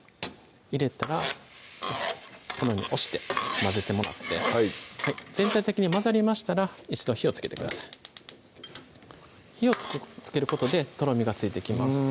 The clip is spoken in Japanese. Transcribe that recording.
入れたらこのように押して混ぜてもらって全体的に混ざりましたら一度火をつけてください火をつけることでとろみがついてきます